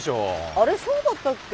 あれそうだったっけ？